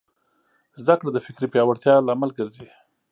زدهکړه د فکري پیاوړتیا لامل ګرځي.